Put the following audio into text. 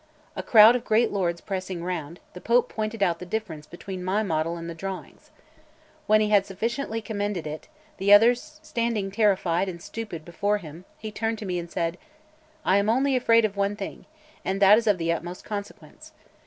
A crowd of great lords pressing round, the Pope pointed out the difference between my model and the drawings. When he had sufficiently commended it, the others standing terrified and stupid before him, he turned to me and said: "I am only afraid of one thing, and that is of the utmost consequence.